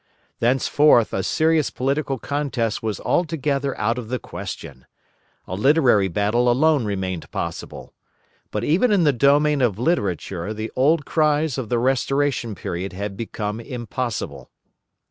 Thenceforth, a serious political contest was altogether out of the question. A literary battle alone remained possible. But even in the domain of literature the old cries of the restoration period had become impossible.